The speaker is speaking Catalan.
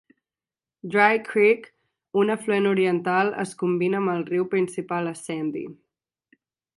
Dry Creek, un afluent oriental, es combina amb el riu principal a Sandy.